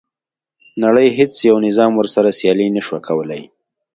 نړۍ هیڅ یو نظام ورسره سیالي نه شوه کولای.